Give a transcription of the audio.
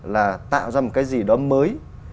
là tạo ra một cái gì đó mới